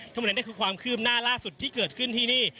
ทั้งหมดนั้นคือความคืบหน้าล่าสุดที่เกิดขึ้นที่นี่